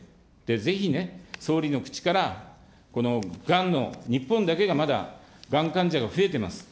ぜひね、総理の口から、がんの、日本だけがまだ、がん患者が増えてます。